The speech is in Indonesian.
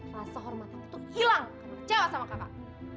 rasa hormat aku tuh hilang karena percaya sama kakak